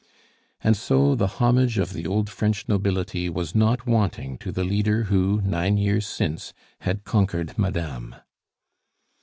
And so the homage of the old French nobility was not wanting to the leader who, nine years since, had conquered MADAME.